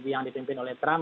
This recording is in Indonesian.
yang dipimpin oleh trump